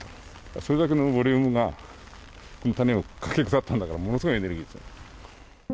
それだけのボリュームが、この谷をかけ下ったんだから、ものすごいエネルギーですよ。